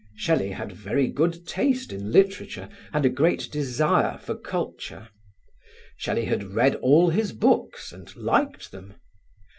Shelley had very good taste in literature and a great desire for culture. Shelley had read all his books and liked them.